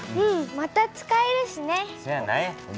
また使えるしね。